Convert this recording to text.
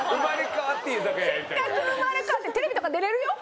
せっかく生まれ変わってテレビとか出れるよ？